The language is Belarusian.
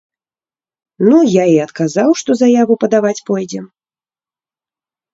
Ну я і адказаў, што заяву падаваць пойдзем.